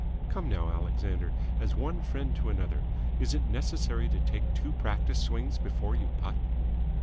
Come now, Alexander, as one friend to another, is it necessary to take two practice swings before you putt?"